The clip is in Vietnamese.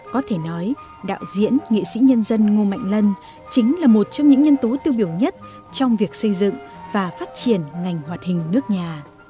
có thể nói đạo diễn nghệ sĩ nhân dân ngô mạnh lân chính là một trong những nhân tố tiêu biểu nhất trong việc xây dựng và phát triển ngành hoạt hình nước nhà